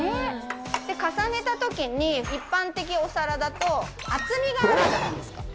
重ねたときに、一般的お皿だと、厚みがあるじゃないですか。